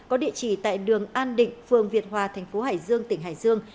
có địa chỉ tại đường an định phường việt hòa thành phố hải dương tỉnh hải dương